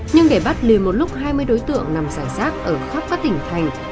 nhưng để bắt liền một lúc hai mươi đối tượng nằm giải sát ở khắp các tỉnh thành